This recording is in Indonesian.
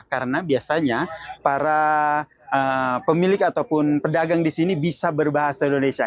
karena biasanya para pemilik ataupun pedagang di sini bisa berbahasa indonesia